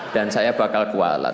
dan saya bakal kewalat